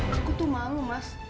aku tuh malu mas